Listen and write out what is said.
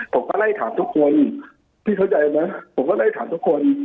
ผมก็ไล่ถามทุกคนพี่เข้าใจไหมผมก็ไล่ถามทุกคน